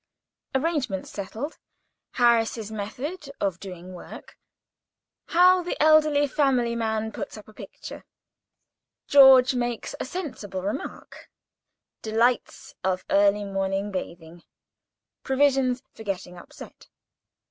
Arrangements settled.—Harris's method of doing work.—How the elderly, family man puts up a picture.—George makes a sensible, remark.—Delights of early morning bathing.—Provisions for getting upset.